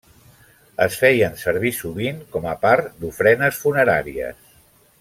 Es feien servir sovint com a part d'ofrenes funeràries.